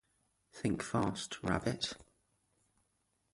Think fast, rabbit!